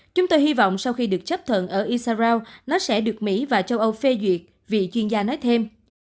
chúng tôi hy vọng sau khi được chấp thuận ở isarao nó sẽ được mỹ và châu âu phê duyệt vì chuyên gia nói thêm